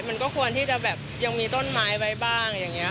มันก็ควรที่จะมีต้นไม้บ้างอย่างเนี้ยค่ะ